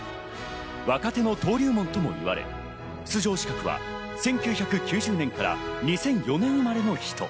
若手の登竜門ともいわれ、出場資格は１９９０年から２００４年生まれの人。